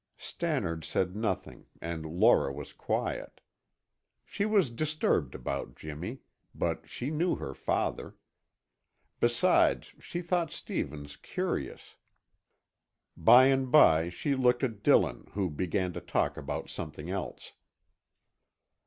Stannard said nothing and Laura was quiet. She was disturbed about Jimmy, but she knew her father. Besides, she thought Stevens curious. By and by she looked at Dillon, who began to talk about something else.